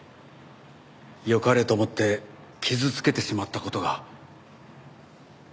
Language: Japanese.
よかれと思って傷つけてしまった事が。